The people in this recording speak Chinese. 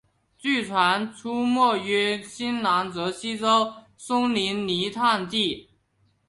据传出没于南新泽西州的松林泥炭地。